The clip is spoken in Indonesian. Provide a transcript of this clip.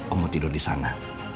om mau tidur di sana